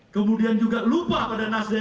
kemudian juga lupa pada nasdem